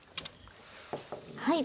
はい。